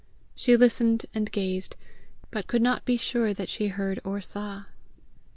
She listened and gazed, but could not be sure that she heard or saw.